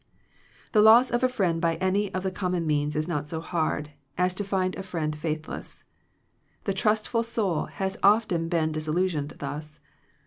The loss of a friend by any of the common means is not so hard, as to find a friend faithless. The trustful soul has often been disillusioned thus.